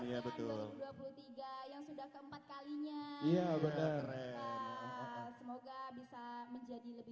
iya betul dua puluh tiga yang sudah keempat kalinya iya bener bener semoga bisa menjadi